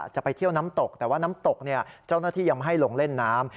จะไปเที่ยวน้ำตกแต่ว่าน้ำตกเจ้าหน้าที่ยังไม่ให้ลงเล่นน้ำ